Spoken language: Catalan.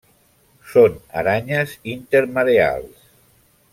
Són aranyes intermareals.